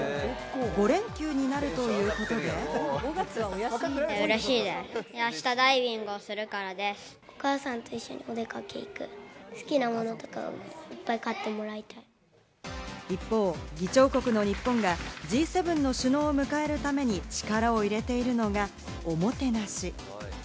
５連休になるということで、一方、議長国の日本がＧ７の首脳を迎えるために力を入れているのが、おもてなし。